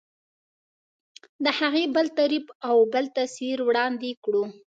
د هغې بل تعریف او بل تصویر وړاندې کړو.